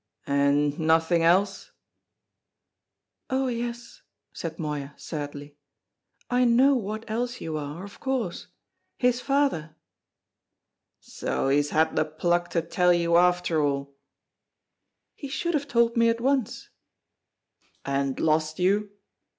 "And nothing else?" "Oh, yes," said Moya, sadly; "I know what else you are, of course. His father!" "So he's had the pluck to tell you, after all?" "He should have told me at once." "And lost you?"